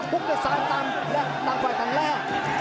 บุ๊คเตอร์สายต่างแรกนางไหวต่างแรก